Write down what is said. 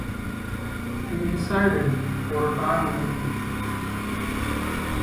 He resided for a time in Italy.